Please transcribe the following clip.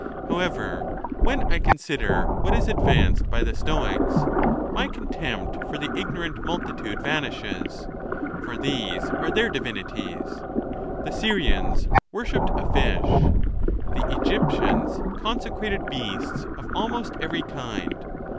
However, when I consider what is advanced by the Stoics, my contempt for the ignorant multitude vanishes. For these are their divinities. The Syrians worshipped a fish. The Egyptians consecrated beasts of almost every kind.